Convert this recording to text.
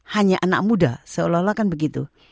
hanya anak muda seolah olah kan begitu